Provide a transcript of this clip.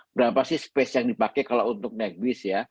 berapa sih ruang yang dipakai untuk naik bis